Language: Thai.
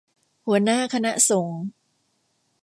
หัวหน้าคณะสงฆ์